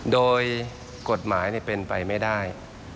โดยกฎหมายเป็นไปไม่ได้